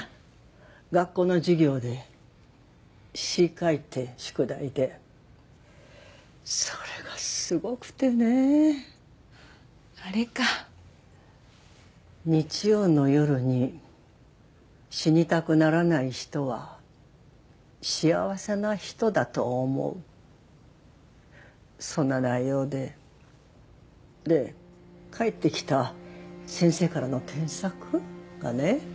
学校の授業で詩書いて宿題でそれがすごくてねあれか日曜の夜に死にたくならない人は幸せな人だと思うそんな内容でで返ってきた先生からの添削？がね